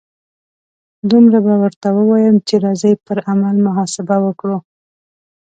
دومره به ورته ووایم چې راځئ پر عمل محاسبه وکړو.